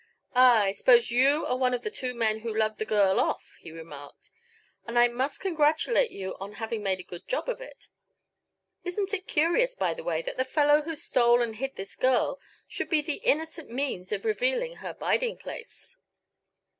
"Ah, I suppose you are one of the two men who lugged the girl off," he remarked; "and I must congratulate you on having made a good job of it. Isn't it curious, by the way, that the fellow who stole and hid this girl should be the innocent means of revealing her biding place?"